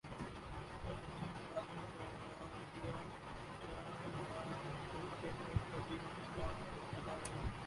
اور جنہیں متبادل قرار دیا جا رہا ان کے خود تبدیل ہونے کا وقت آ گیا ہے ۔